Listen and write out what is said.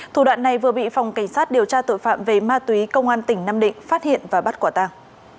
thủ đoạn này vừa bị phòng cảnh sát điều tra tội phạm về ma túy công an tỉnh nam định phát hiện và bắt quả tàng